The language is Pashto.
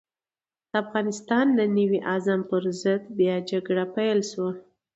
د افغانستان د نوي عزم پر ضد بيا جګړه پيل شوه.